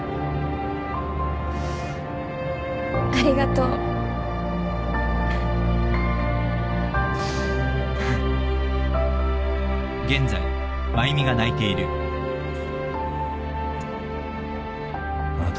ありがとうあなた